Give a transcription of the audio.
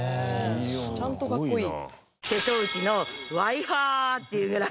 ちゃんとかっこいい。